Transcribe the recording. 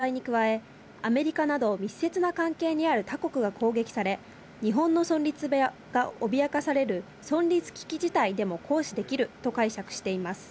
政府は反撃能力について、日本が攻撃を加えた場合に加え、アメリカなど密接な関係にある他国が攻撃され、日本の存立が脅かされる存立危機事態でも行使できると解釈しています。